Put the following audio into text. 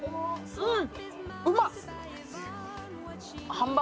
うん。